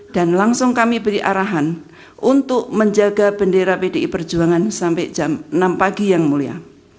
dan langsung kami beri arahan untuk menjaga bendera bdi perjuangan sampai jam enam yang mulia